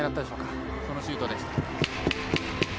そのシュートでした。